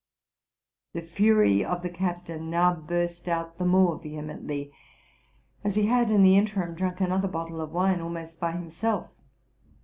The fury of the captain now burst out the more vehemently, as he had in the interim drunk another bottle of wine almost by himself.